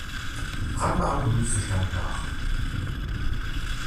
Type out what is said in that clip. Frag mal am Gemüsestand nach.